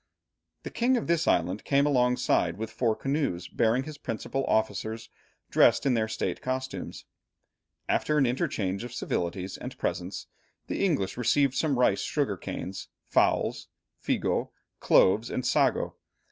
The king of this island came alongside, with four canoes bearing his principal officers dressed in their state costumes. After an interchange of civilities and presents, the English received some rice, sugar canes, fowls, figo, cloves, and sago.